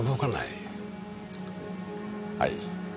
はい。